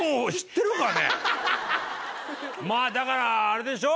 まあだからあれでしょ？